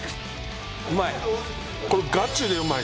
うまい？